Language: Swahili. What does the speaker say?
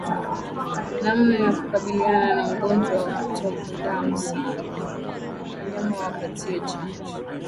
Namna ya kukabiliana na ugonjwa wa kutoka damu sana wanyama wapatiwe chanjo